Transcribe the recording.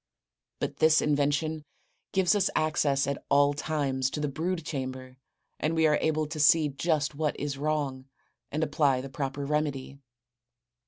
But this invention gives us access at all times to the brood chamber and we are able to see just what is wrong and apply the proper remedy.